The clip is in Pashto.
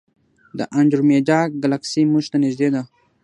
د انډرومیډا ګلکسي موږ ته نږدې ده.